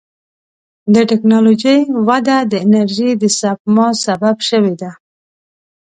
د ټکنالوجۍ وده د انرژۍ د سپما سبب شوې ده.